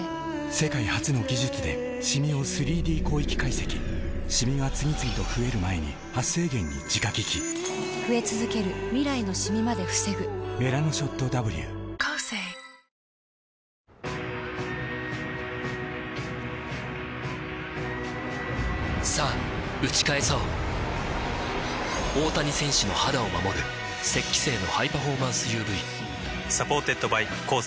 世界初の技術でシミを ３Ｄ 広域解析シミが次々と増える前に「メラノショット Ｗ」さぁ打ち返そう大谷選手の肌を守る「雪肌精」のハイパフォーマンス ＵＶサポーテッドバイコーセー